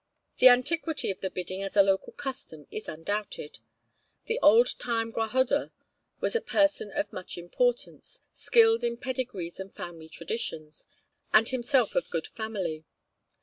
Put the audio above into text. The antiquity of the Bidding as a local custom is undoubted. The old time gwahoddwr was a person of much importance, skilled in pedigrees and family traditions, and himself of good family.